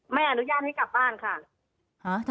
มันเป็นอาหารของพระราชา